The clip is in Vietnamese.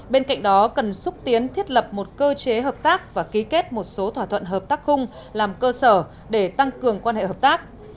bên cạnh đó cần xúc tiến thiết lập một cơ chế hợp tác và ký kết một số thỏa thuận hợp tác khung làm cơ sở để tăng cường quan hệ hợp tác